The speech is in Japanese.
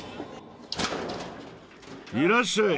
いらっしゃい。